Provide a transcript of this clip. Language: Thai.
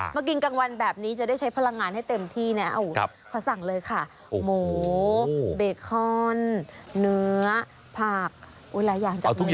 มากินกลางวันแบบนี้จะได้ใช้พลังงานให้เต็มที่นะขอสั่งเลยค่ะหมูเบคอนเนื้อผักหลายอย่างจากตรงนี้